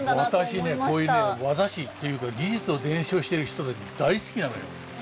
私ねこういうね業師っていうか技術を伝承してる人大好きなのよ。